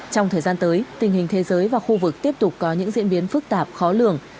trong thời gian tới tình hình thế giới và khu vực tiếp tục có những diễn biến phức tạp khó lường